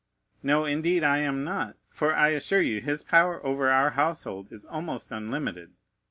"No, indeed, I am not; for I assure you, his power over our household is almost unlimited.